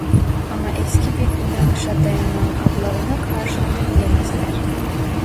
Ama eski bir inanışa dayanan adlarına karşın muz yemezler.